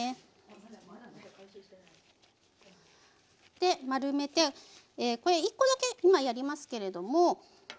で丸めて１コだけ今やりますけれども。